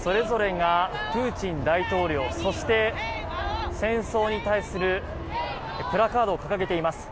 それぞれがプーチン大統領そして、戦争に対するプラカードを掲げています。